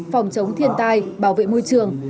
phòng chống thiên tai bảo vệ môi trường